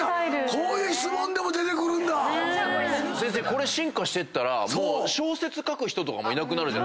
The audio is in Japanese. これ進化してったら小説書く人とかもいなくなる。